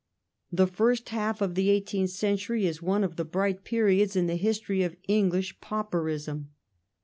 The first half of the eighteenth century is one of the bright periods in the history of English pauperism.